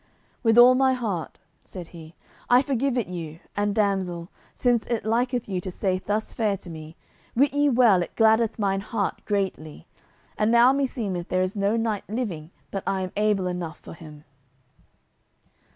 "With all my heart," said he, "I forgive it you, and damsel, since it liketh you to say thus fair to me, wit ye well it gladdeth mine heart greatly, and now me seemeth there is no knight living but I am able enough for him."